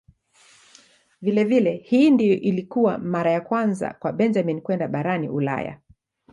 Vilevile hii ndiyo ilikuwa mara ya kwanza kwa Benjamin kwenda barani Ulaya.